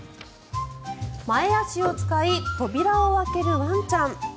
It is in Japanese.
前足を使い扉を開けるワンちゃん。